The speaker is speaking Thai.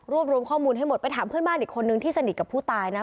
รวมรวมข้อมูลให้หมดไปถามเพื่อนบ้านอีกคนนึงที่สนิทกับผู้ตายนะ